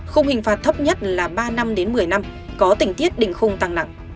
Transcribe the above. khung hình phạt thấp nhất là ba năm đến một mươi năm có tính tiết đỉnh khung tăng nặng